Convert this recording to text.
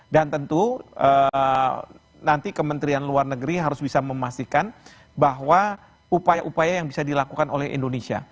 dan tentu nanti kementerian luar negeri harus bisa memastikan bahwa upaya upaya yang bisa dilakukan oleh indonesia